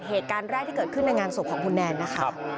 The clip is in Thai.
เหตุการณ์แรกที่เกิดขึ้นในงานศพของคุณแนนนะคะ